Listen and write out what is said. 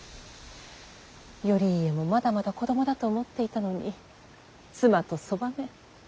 頼家もまだまだ子供だと思っていたのに妻とそばめ。